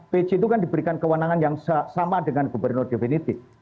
pc itu kan diberikan kewenangan yang sama dengan gubernur definitif